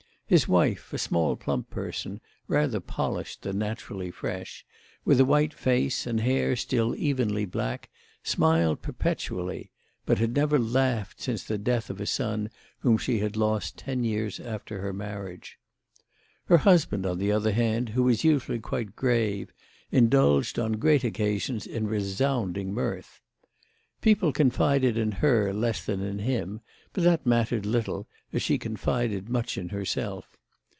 His wife, a small plump person, rather polished than naturally fresh, with a white face and hair still evenly black, smiled perpetually, but had never laughed since the death of a son whom she had lost ten years after her marriage. Her husband, on the other hand, who was usually quite grave, indulged on great occasions in resounding mirth. People confided in her less than in him, but that mattered little, as she confided much in herself.